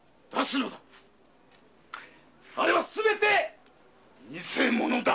あれはすべて偽物だ！